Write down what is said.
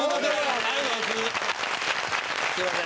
すみません。